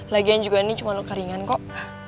lagian juga ini cuma lo keringan kok